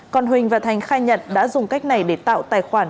còn huỳnh và thành khai nhận đã dùng cách này để tạo tài khoản